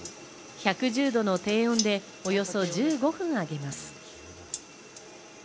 １１０度の低温でおよそ１５分揚げます。